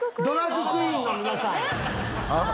ドラァグクイーンの皆さん。